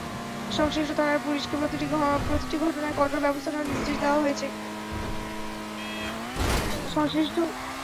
সংশ্লিষ্ট থানার পুলিশকে প্রতিটি ঘটনায় কঠোর ব্যবস্থা নেওয়ার নির্দেশ দেওয়া হয়েছে।